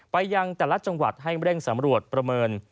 ไปยังแต่ละจังหวัดให้เร่งสำรวจประเมิน